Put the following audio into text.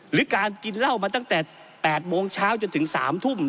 หรือการกินเหล้ามาตั้งแต่๘โมงเช้าจนถึง๓ทุ่ม